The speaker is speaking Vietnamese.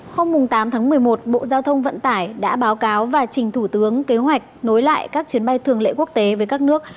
hôm tám tháng một mươi một bộ giao thông vận tải đã báo cáo và trình thủ tướng kế hoạch nối lại các chuyến bay thường lễ quốc tế với các nước